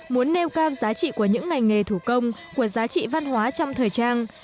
muốn nêu cao giá trị của những ngành nghề thủ công của giá trị văn hóa trong thời trang